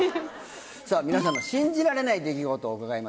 皆さんの信じられない出来事を伺いましょうか。